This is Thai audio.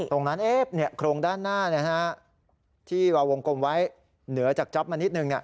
ตรงนั้นเนี่ยโครงด้านหน้าเนี่ยฮะที่วางวงกลมไว้เหนือจากจ๊อปมานิดนึงเนี่ย